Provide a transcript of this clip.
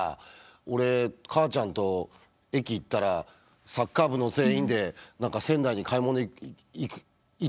俺母ちゃんと駅行ったらサッカー部の全員で何か仙台に買い物行ってたんだよ。